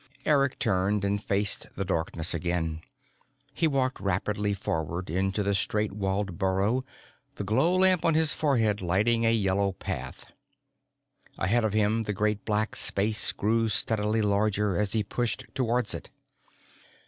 Eric turned and faced the darkness again. He walked rapidly forward into the straight walled burrow, the glow lamp on his forehead lighting a yellow path. Ahead of him, the great black space grew steadily larger as he pushed towards it.